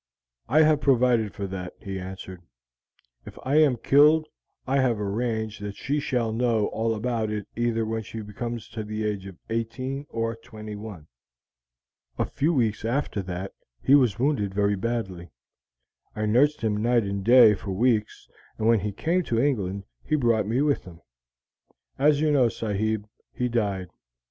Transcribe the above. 'I have provided for that,' he answered. 'If I am killed I have arranged that she shall know all about it either when she comes to the age of eighteen or twenty one.' "A few weeks after that he was wounded very badly. I nursed him night and day for weeks, and when he came to England he brought me with him. As you know, sahib, he died.